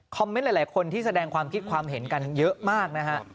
เมนต์หลายคนที่แสดงความคิดความเห็นกันเยอะมากนะฮะ